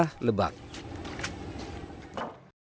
berita terkini mengenai cuaca ekstrem di jepang